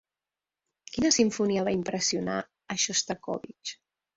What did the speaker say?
Quina simfonia va impressionar a Xostakóvitx?